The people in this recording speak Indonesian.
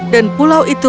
dan pulau itu